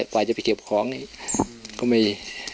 กว่าจะไปเก็บของก็ไม่